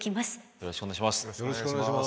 よろしくお願いします。